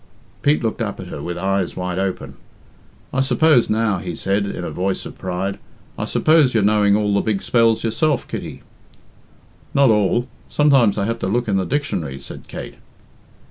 Pete looked up at her with eyes wide open. "I suppose, now," he said, in a voice of pride, "I suppose you're knowing all the big spells yourself, Kitty?" "Not all. Sometimes I have to look in the dictionary," said Kate.